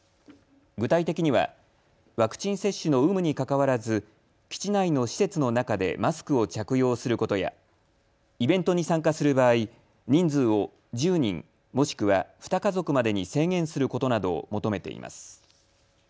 具体的にはワクチン接種の有無にかかわらず基地内の施設の中でマスクを着用することやイベントに参加する場合、人数を１０人、もしくは２家族までに制限することなどを求めています。